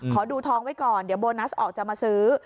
ขอดูทองไว้ก่อนเดี๋ยวโบนัสออกจะมาซื้อ